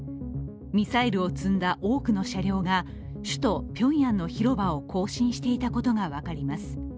ミサイルを積んだ多くの車両が首都ピョンヤンの広場を行進していたことが分かります。